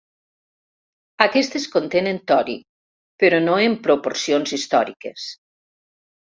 Aquestes contenen tori, però no en proporcions històriques.